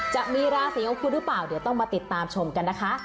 จะมีราศีของคุณหรือเปล่าเดี๋ยวต้องมาติดตามชมกันนะคะ